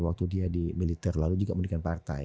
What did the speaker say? waktu dia di militer lalu juga pendidikan partai